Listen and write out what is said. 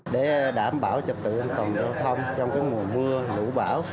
để đảm bảo trật tự an toàn giao thông trong mùa mưa lũ bão